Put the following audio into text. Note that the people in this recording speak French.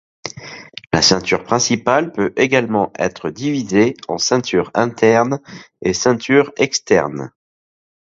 La ceinture principale peut également être divisée en ceinture interne et ceinture externe.